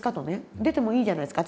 出てもいいじゃないですか。